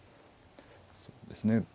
そうですね